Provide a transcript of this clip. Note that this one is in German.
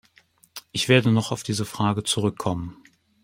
Ich werde noch auf diese Frage zurückkommen.